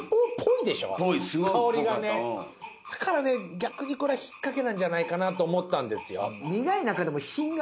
逆にこれは引っ掛けなんじゃないかなと思ったんですよ。